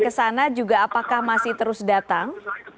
ke sana juga apakah masih terus datang